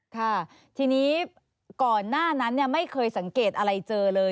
ค่ะทีนี้ก่อนหน้านั้นไม่เคยสังเกตอะไรเจอเลย